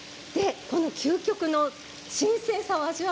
究極の新鮮さを味わう